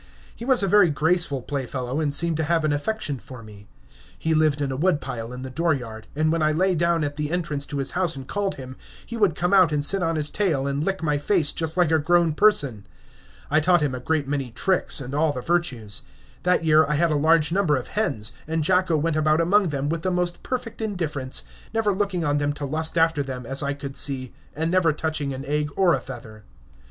He was a very graceful playfellow, and seemed to have an affection for me. He lived in a wood pile in the dooryard, and when I lay down at the entrance to his house and called him, he would come out and sit on his tail and lick my face just like a grown person. I taught him a great many tricks and all the virtues. That year I had a large number of hens, and Jacko went about among them with the most perfect indifference, never looking on them to lust after them, as I could see, and never touching an egg or a feather.